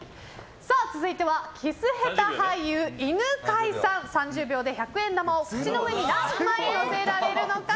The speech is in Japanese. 続いてはキス下手俳優、犬飼さん３０秒で百円玉を口の上に何枚乗せられるのか。